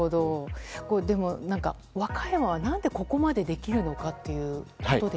でも和歌山は何でここまでできるのかというと？